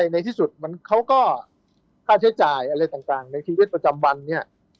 ในที่สุดเขาก็ค่าใช้จ่ายอะไรต่างในชีวิตประจำวันเนี่ย